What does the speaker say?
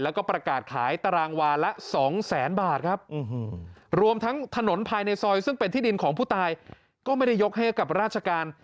แล้วก็ประกาศขายตารางวาละสองแสนบาทครับรวมทั้งถนนภายในซอยซึ่งเป็นที่ดินของผู้ตายก็ไม่ได้ยกให้กับราชการ